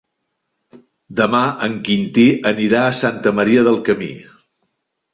Demà en Quintí anirà a Santa Maria del Camí.